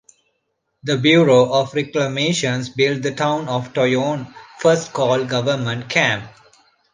The Bureau of Reclamation built the town of Toyon, first called Government Camp.